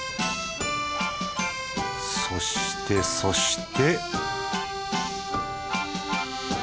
そしてそして